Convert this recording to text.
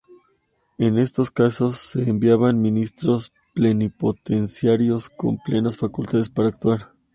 En estos casos, se enviaban "ministros plenipotenciarios" con plenas facultades para actuar.